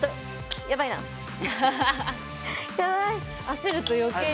焦ると余計にね。